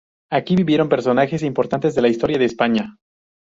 Aquí vivieron personajes importantes de la historia de España.